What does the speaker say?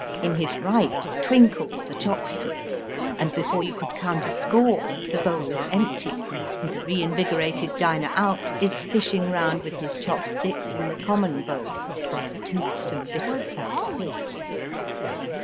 In his right twinkle the chop sticks, and before you could count a score the bowl is empty and the reinvigorated diner out is fishing round with his chop sticks in the common bowl for a toothsome bit of fat pork.